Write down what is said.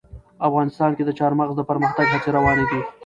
افغانستان کې د چار مغز د پرمختګ هڅې روانې دي.